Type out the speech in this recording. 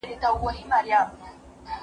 سرو کرویات د سږو له لارې بدن ته اکسیجن رسوي.